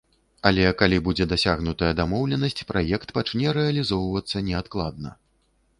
Але калі будзе дасягнутая дамоўленасць, праект пачне рэалізоўвацца неадкладна.